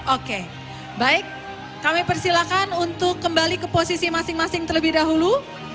oke baik kami persilakan untuk kembali ke posisi masing masing terlebih dahulu